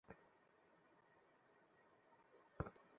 আমার নিজের অবস্থা যে কী তখন, তা পাঠককে আর নাই বা বুঝিয়ে বললাম।